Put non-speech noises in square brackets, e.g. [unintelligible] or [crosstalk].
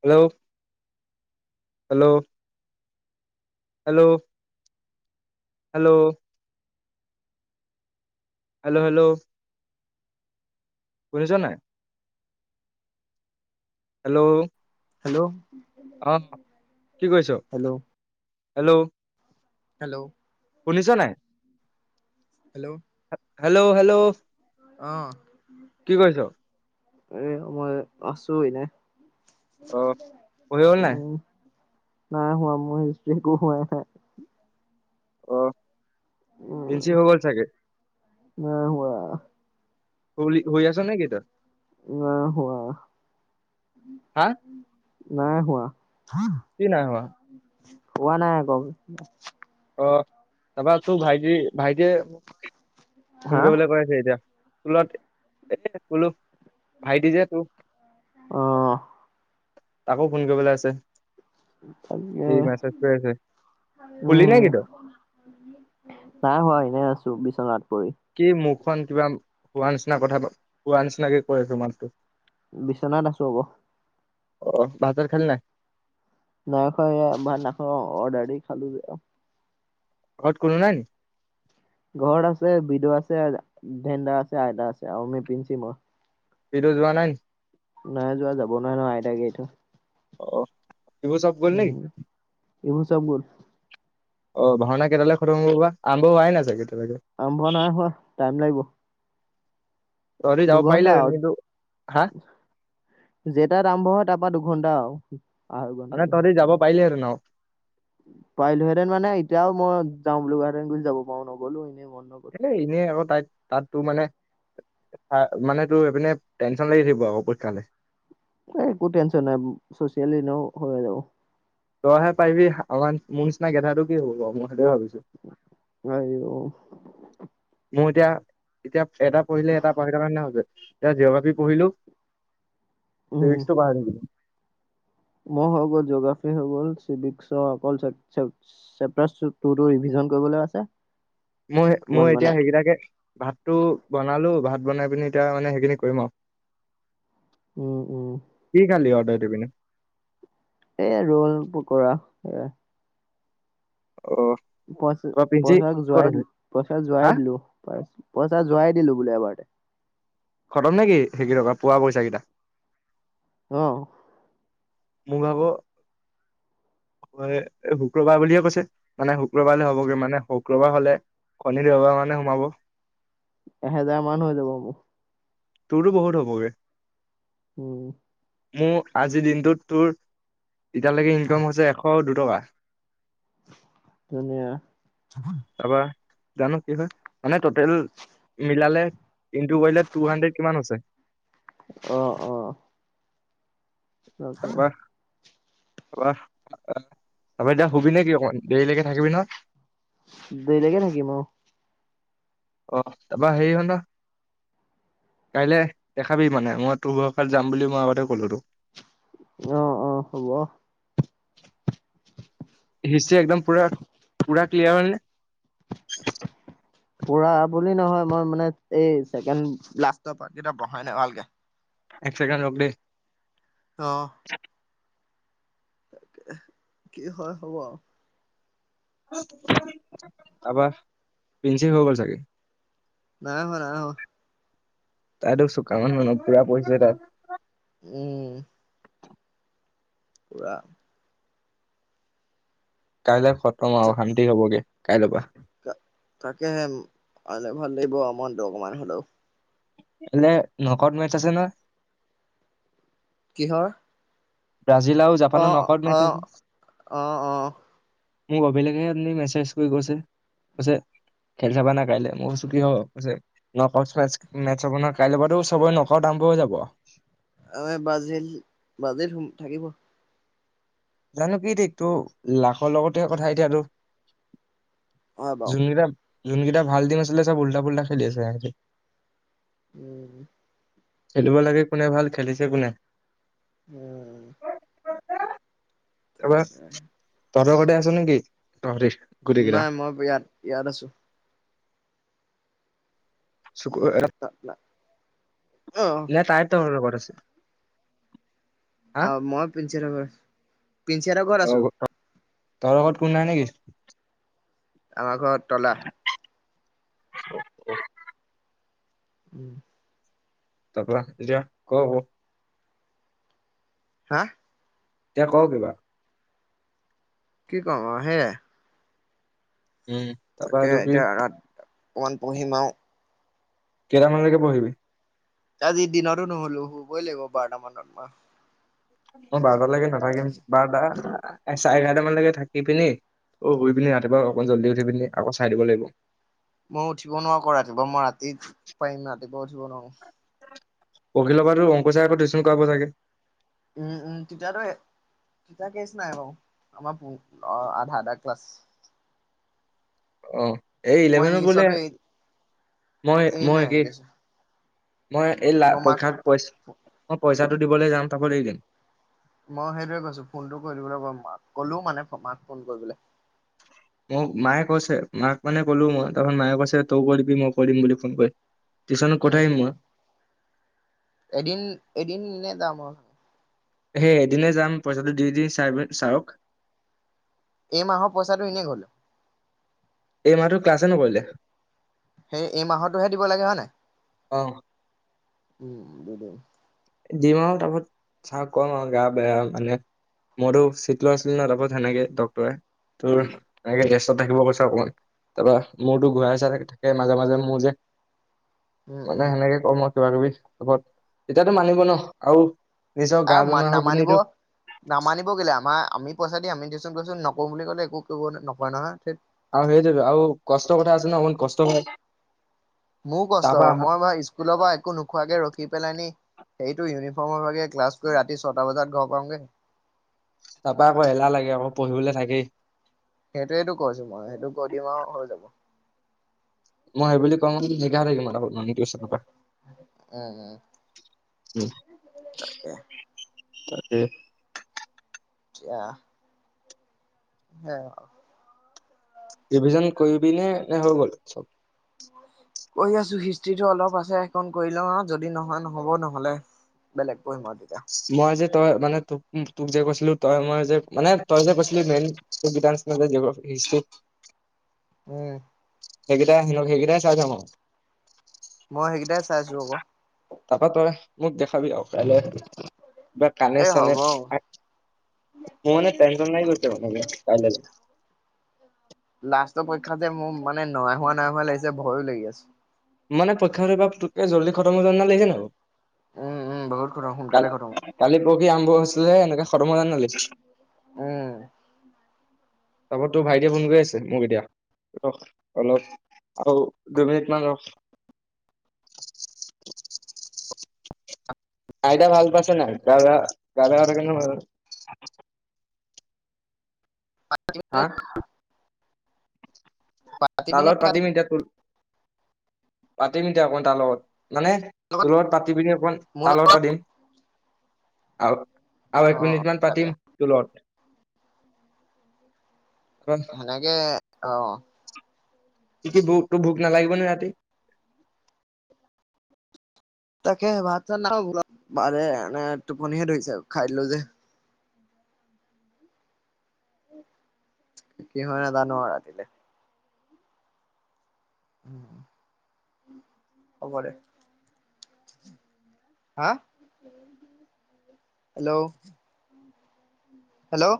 Hello hello hello hello hello hello শুনিছ নাই hello hello. অহ কি কৈছ হেল্ল' হেল্ল'। হেল্ল'। শুনিছ নাই। হেল্ল'। Hello hello. অহ। কি কৰিছ। এ মই আছো এনে। অ হৈ হ'ল নাই উহ। নাই হোৱা মোৰ হিষ্ট্ৰ একো হাই ন। অহ পিঞ্চি হৈগল চাগে। ন হোৱা। শুলি শুই আছ নেকি তই নাই হোৱা। হা নাই হোৱা। কি নাই হোৱা। হোৱা নাই আকৌ অ' তাৰপৰা তোৰ ভাইটি, ভাইটিয়ে মোক ফোন হা কৰিবলৈ কৈ আছে এতিয়া। তোলত এ বোলো ভাইটি যে তোৰ অহ। তাকো ফোন কৰিবলৈ আছে। তাকে সি মেছেজ কৰি আছে শুলি নেকি উম'। তই নাই হোৱা এনেই আছো বিচনাত। পৰি কি মুখখন কিবা হোৱা নিচিনা কথা হোৱা নিচিনাকে কৈ আছো মাতটো। বিচনাত আছো আক অ' ভাত-চাত খালি নাই। নাই খোৱা ভাত নাখাও, এয়া অৰ্ডাৰ দি খালো যে ঘৰত কোনো নাই নি? ঘৰত আছে বিদু আছে, ভেনদা আছে আইতা আছে, আমি পিঞ্চি, মই। বিজু যোৱা নাই নি? নাই যোৱা যাব নোৱাৰে ন' আইতাকে এৰি থৈ। অহ ইবোৰ চব গ'ল নেকি? ইবোৰ চব গ'ল। অ' ভাওনা কেইটালে খতম হ'ব বা আৰম্ভ হোৱাই নাই চাগে! এতিয়ালৈকে। আৰম্ভ নাই হোৱা, টাইম লাগিব। তহঁতি যাব দুঘন্টা পাৰিলেহেঁতেন আৰু কিন্তু হা যেটাত আৰম্ভ হয় তাৰপা দু ভোন ডাও মানে তহঁতে যাব পাৰিলি হেতেন আৰু পাৰিলোহেঁতেন মানে এতিয়াও মই যাও বুলি কোৱা হেঁতেন গুচি যাব পাৰো, নগ'লো এনেও এ এনেই আকৌ তাই তাত তো মানে মানে তোৰ এইপিনে টেনচন লাগি থাকিব আকৌ পৰীক্ষালে। এই একো টেনচন নাই, চছিয়েল এনেও হৈয়ে যাব। তইহে পাৰিবি, আমাৰ মোৰ নিচিনা গেধাটো কি হ'ব গৰমত ভাবিছো আইঔ মোৰ এতিয়া, এতিয়া। এটা পঢ়িলে এটা পাহঢ়ি থকাৰ নিচিনা হৈছে এয়া জিঅ'গ্ৰাফি পঢ়িলো। উম তেইৰিছটো বাহাৰ। মই হৈ গল জগৰাফি হৈ গ'ল চিবিচৰ অকল চে চেট চেপতাৰ টোতো ৰিভিচন কৰিবলৈ আছে? মই মই ওৱান মানে এতিয়া সেইকেইটাকে ভাতটো বনালো ভাত বনাই পিনি এতিয়া মানে সেইখিনি কৰিম আৰু। উম উম। দে বিনে। এই ৰোল পকৰা এ। অ পইচা তাৰপা পিঞ্চি পইচা ক'ত যোৱা আছে? পইচা যোৱাই হা দিলো প পইচা যোৱাই দিলো বোলে এবাৰতে। খটম নে কি সেইকেইটকা পোৱা পইচা কেইটা? অহ। মুগাব হয় শুক্ৰবাৰ বুলিয়ে কৈছে মানে শুক্ৰবাৰলৈ হবগে মানে শুক্ৰবাৰ হলে শনি, দেওবাৰ মানে সোমাব। এহেজাৰ মান হৈ যাব মো। তোৰো বহুত হ'বগে। উম। মোৰ আজিৰ দিনটোত তোৰ এতিয়ালৈকে ইনকম হৈছে এশ দুটকা। ধুনীয়া। তাপা জানো কি হয় মানে টটেল মিলালে। ইনটু কৰিলে টো হান্দ্ৰেড কিমান হৈছে। অ অ। তাপা। তাপা এতিয়া শুবি নেকি অকমান দেৰিলৈকে থাকিবি ন। দেৰিলৈকে থাকিম অ। অ তাপা হেৰি হ ন। কাইলৈ দেখাবি মানে মই তোৰ ভৰষাত যাম বুলি মই আগতে ক'লো তোক। অ অ হ'ব। হিষ্ট্ৰ্ৰী একদম পুৰা পুৰা ক্লিয়াৰ হল নেহ। পুৰা বুলি নহয় মই মানে এই ছেকেণ্ড লাষ্টৰ পাৰ্ট কিটা বহাই নাই ভালকে। এক চেকেণ্ড ৰক দে। অ। তাকে কি হয় হব আৰু। তাপা পিঞ্চি হৈ গ'ল চাগে। নাই হোৱা নাই হোৱা। তাই টো চোকা মানু্হ নহ পুৰা পঢ়িছে তাই। উম। পুৰা। কাইলৈ খতম আৰু শান্তি হবগে কাইলৈ পৰা। তাকেহে আ ভাল লাগিব মনটো অকমান হ'লেও। এনে নখত মেটছ আছে নে। কিহৰ। ব্ৰাজিল আৰু অ জাপানৰ নকল মাৰি অ থৈ আহিবি। অ অ মোক অভিলেষে আপুনি মেছেজ কৰি কৈছে কৈছে। খেল চাবা নাই কাইলে মই কৈছো কিহৰ কৈছোঁ মেটছ কাইলৈ নখৰ দাম। কৈ যাব। আ বাজিল বাজিল থাকিব। জানো কি থিক তোৰ লাখৰ লগতেহে কথা এতিয়া তোৰ। হয় বাৰু যোনকেইটা যোনকেইটা ভাল টিম আছিলে চব উল্টা পুল্টা খেলি আছে হিহঁতি। উম। খেলিব লাগে কোনে ভাল খেলিছে কোনে। উম তাৰপা তাকে। তহঁতৰ ঘৰতে আছে নেকি। তহঁতি গোটেইকেইটা নাই মই ইয়াত ইয়াত আছো। চুকুৰ তাত নাই ন তাই তহঁতৰ লগত আছে। হা আ মই প্ৰিন্সি লগৰ প্ৰিন্সি হতৰ ঘৰত আছো তাৰ লগত কোনো নাই নেকি আমাৰ ঘৰত তলা [inaudible] উম তাৰা এতিয়া কওঁ আকৌ হা এতিয়া কওঁ কিবা কি কম সেয়াই উম তাৰপৰা তাকে এইটো কি এতিয়া অকণমান পঢ়িম আও কেইটা মানৰ লৈকে পঢ়িবি আজিৰ দিনটো নোশুলো শুবই লাগিব বাৰটা মানত মই বাৰটালৈকে নাথাকিম বাৰটা চাৰে এঘাৰটা মানলে কে থাকি পিনি অ শুই পিনি ৰাতিপুৱা অকণ জল্দি উঠি পিনি আকৌ চাই দিব লাগিব মই উঠিব নোৱাৰ কো ৰাতিপুৱা মই ৰাতি পাৰিম ৰাতিপুৱা উঠিব নোৱাৰো অখিলৰ বাৰো অংক চাৰ আকৌ টিউশ্যন কৰা চাগে [unintelligible] উম উম তেতিয়াটো তা কেচ নাই বাও আমাৰ আধা আধা ক্লাছ অ এই মই ইলেভেন বোলে ইংলিছতো এ মই মই এৰিমেই একে ইংলিছ মই এই লা মই মাক পইক্ষাক মই পইচাটো দিবলৈ যাম তাকো দি দিম [unintelligible] মই সেইটোৱে কৈছো ফোনটো কৰিদিবলৈ কম মাক ক'লোও মানে মাক ফোন কৰিবলে [unintelligible] মোক মায়ে কৈছে মাক মানে কলো মই তাৰপত মায়ে কৈছে তই কৰিবি মই কৰিম বুলি ফোন কৰি টিউচনত ক'ত উম আহিম মই উম এদিন এদিন মানে যাম আও হেই এদিনে যাম পইচাটো দি দি চাৰক এই মাহৰ পইচাটো এনেই গল এই মাহটো ক্লাছে নকৰিলে সেই এই মাহতোহে দিব লাগে হয় নাই অ উম দিম আৰু তাৰপাছত চাৰক কম আও গা বেয়া মানে মোৰো চিতলৈ ন তাৰ পাছত সেনেকে ডক্টৰে [unintelligible] তোৰ এনেকে ৰেষ্টেতত থাকিব কৈছ অকমান [unintelligible] তাৰপৰা মোৰতো ঘূৰাই চা থাকে মাজে মাজে মোৰ যে উম মানে উম সেনেকে কম আৰু কিবা কিবি তা পাছত তেতিয়াতো মানিব ন আও আৰু মান নামানিব নামানিব কেলে আমাৰ আমি পইচা দি আমি টিউশ্যন কৰিছো নকওঁ বুলি ক'লে একো কৰিব নকয় নহয় [unintelligible] আৰু সেই যাব আ কষ্টৰ কথা আছে ন অ কষ্ট হয় মোৰ কষ্ট তাৰপা হয় আহা মই স্কুলৰ পৰা একো নোখোৱাকে ৰখি পেলানি সেইটো ইউনিফৰ্মৰ ভাগে ক্লাছ কৰি ৰাতি ছটা বজাত ঘৰ পামগে তাৰপা আকৌ এলাহ লাগে আকৌ পঢ়িবলৈ থাকেই সেইটোৱেইটো কৈছো মই সেইটো কৈ দিম আও হৈ যাব মই সব ক এঘাৰ মাৰ টউচনৰ পৰা উম তাকে তাকে অ সেয়াও ভিজন কৰিবিনে নে হৈ গ'ল চব [unintelligible] কৰি আছো হিষ্ট্ৰিটো অলপ আছে সেইকন কৰি লওঁ যদি নহয় নহব নহলে বেলেগ পঢ়িম আও তেতিয়া মই যে তই মানে তোক তোক যে কৈছিলো তই মই যে মানে তই যে কৈছিলি মেইন জিঅগ্ৰাফি হিষ্টিত উম সেইকেইটাই আহিব সেইকেইটাই চাই থাকোঁ। মই সেইকেইটাই চাইছো আকৌ। তাপা তই মোক দেখাবি আও। তলে কিব কানে এই চানে হ'ব মোৰ মানে টেনচন হৈ গৈছে। মান কাইলেলে ফাষ্টৰ পৰীক্ষা যে মোৰ মানে নাই হোৱা নাই হোৱা লাগিছে ভয়ো লাগি আছে। মানে পৰীক্ষাটো পুতুককে জল্দি খতম হৈ যোৱা নিচিনা লাগিছে নাই বাৰ? উম, উম, বহুত খতম সোনকালে কাল খতম কালি পৰহি আৰম্ভ হৈছিলহে এনেকে খতম হৈ যোৱা নিচিনা লাগিছে। উম। তাৰপা তোৰ ভাইটিয়ে ফোন কৰি আছে। মোক এতিয়া ৰখ অলপ আৰু দুই মিনিট মান ৰখ আইতা ভাল পাইছ নাই গা গা বেয়া হৈ থাকে নহয় মাজে মাজে। হা তাৰ পাতিবিনে লগত পাতিম এতিয়া। পাতিম এতিয়া অকণ তাল লগত মানে তোৰ লগত পাতি পিনি অকণ তাল লগত পাতিম। আৰু, আৰু এক অ', অ', মিনিট মান তাকে পাতিম তো লগত। সেনেকে অ' কি কি ভোক তোৰ ভোক নালাগিব নে ৰাতি? তাকে ভাত -চাত নাই বনোৱা মাৰে আহা নাই। টোপনিহে ধৰিছে আও খাই দিলো যে। কি হ'য় নাজানো আও ৰাতিলে। হ'ব দে। হা হেল্ল'! হেল্ল'!